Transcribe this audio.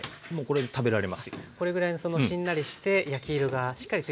これぐらいのそのしんなりして焼き色がしっかりついたら。